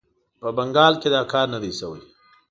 په بنګال کې دا کار نه دی سوی.